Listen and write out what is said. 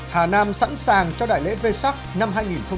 hà nam sẵn sàng cho đại lễ v sac năm hai nghìn một mươi chín